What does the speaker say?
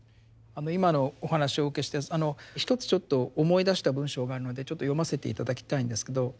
あの今のお話をお受けして一つちょっと思い出した文章があるのでちょっと読ませて頂きたいんですけど。